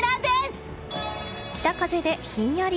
北風でひんやり。